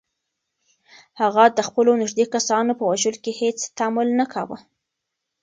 هغه د خپلو نږدې کسانو په وژلو کې هیڅ تامل نه کاوه.